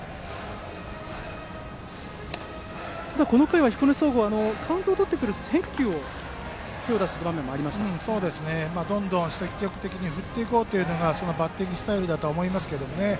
ただこの回は彦根総合カウントをとってくる変化球にどんどん積極的に振っていこうというのがバッティングスタイルだと思いますけどね。